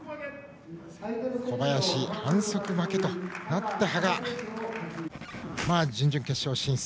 小林、反則負けとなって羽賀、準々決勝進出。